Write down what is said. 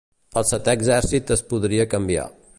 El Setè Exèrcit es podria canviar.